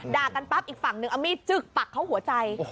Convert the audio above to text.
กันปั๊บอีกฝั่งหนึ่งเอามีดจึกปักเข้าหัวใจ